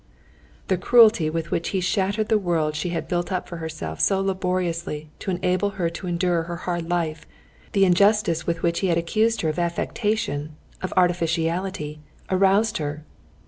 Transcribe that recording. The cruelty with which he shattered the world she had built up for herself so laboriously to enable her to endure her hard life, the injustice with which he had accused her of affectation, of artificiality, aroused her.